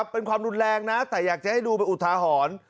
เป็นความรุนแรงนะแต่อยากจะให้ดูเป็นอุทาหรณ์